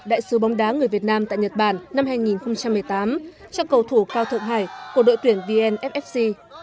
đại sứ bóng đá người việt nam tại nhật bản năm hai nghìn một mươi tám cho cầu thủ cao thượng hải của đội tuyển vnfc